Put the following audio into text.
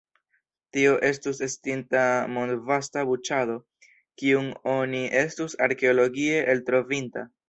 Tio estus estinta mondvasta buĉado, kiun oni estus arkeologie eltrovinta.